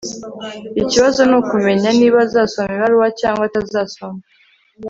ikibazo nukumenya niba azasoma ibaruwa cyangwa atazasoma